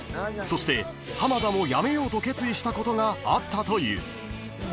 ［そして濱田も辞めようと決意したことがあったという］